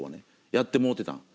やってもうてたん。